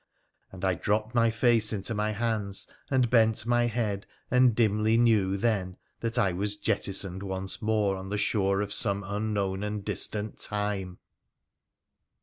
— and I dropped my face into my hands and bent my head and dimly knew then that I was jettisoned once more on the shore of some unknown and distant time